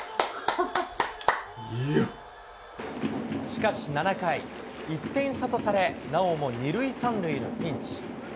しかし、７回、１点差とされ、なおも２塁３塁のピンチ。